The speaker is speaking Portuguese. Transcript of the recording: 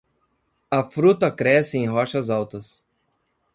A fruta cresce em rochas altas.